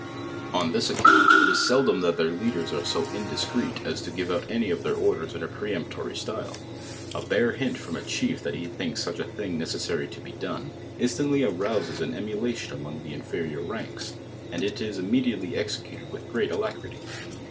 On this account, it is seldom that their leaders are so in discreet as to give out any of their orders in a peremptory style; a bare bint from a chief that he thinks such a thing necessiry to be done, instantly arouses an emulation among the inferior ranks, and it is i mined iitoly executed with great alacrity.